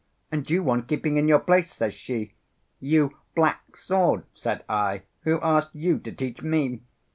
'And you want keeping in your place,' says she. 'You black sword,' said I, 'who asked you to teach me?